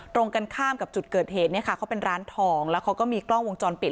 ตรงกันข้ามกับจุดเกิดเหตุเนี่ยค่ะเขาเป็นร้านทองแล้วเขาก็มีกล้องวงจรปิด